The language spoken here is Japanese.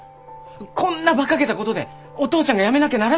こんなバカげたことでお父ちゃんが辞めなきゃならないなんて！